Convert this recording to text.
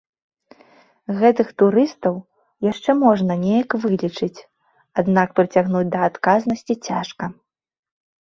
Гэтых турыстаў яшчэ можна неяк вылічыць, аднак прыцягнуць да адказнасці цяжка.